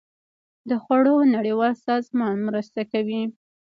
د خوړو نړیوال سازمان مرسته کوي.